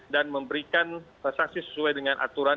dan memberikan sanksi sesuai dengan aturan